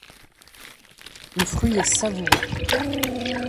Le fruit est savoureux.